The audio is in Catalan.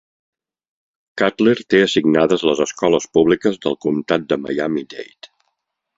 Cutler té assignades les escoles públiques del comtat de Miami-Dade.